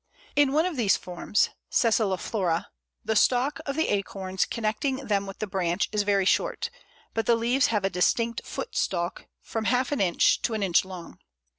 In one of these forms (sessiliflora) the stalk of the acorns connecting them with the branch is very short, but the leaves have a distinct footstalk, from half an inch to an inch long.